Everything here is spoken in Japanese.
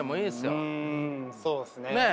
うんそうっすね。